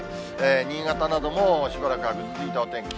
新潟などもしばらく雨、ぐずついたお天気。